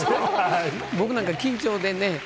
僕なんか緊張でね。